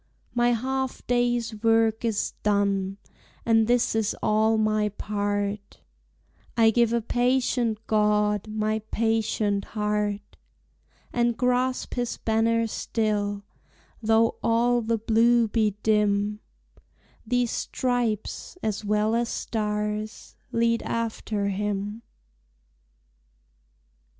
My half day's work is done, And this is all my part, I give a patient God My patient heart; And grasp his banner still, Though all the blue be dim; These stripes as well as stars Lead after him.